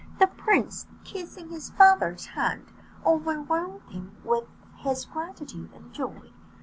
The prince, kissing his father's hand, overwhelmed him with his gratitude and joy.